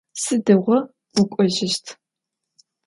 Sıdığo vuk'ojışt?